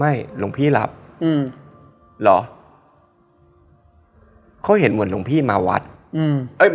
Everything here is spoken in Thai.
หลวงพี่หลับอืมเหรอเขาเห็นเหมือนหลวงพี่มาวัดอืมเอ้ย